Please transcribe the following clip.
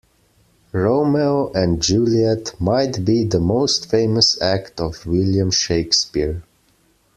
Romeo and Juliet might be the most famous act of William Shakespeare.